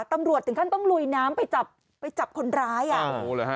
ตำรวจถึงขั้นต้องลุยน้ำไปจับคนร้ายอะ